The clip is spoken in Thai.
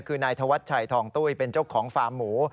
คือนายธวัชชัยทองตุ้ยเป็นเจ้าของฟาร์มหมู